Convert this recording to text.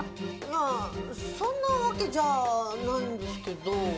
いやそんなわけじゃないんですけど。